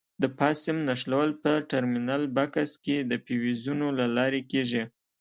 د فاز سیم نښلول په ټرمینل بکس کې د فیوزونو له لارې کېږي.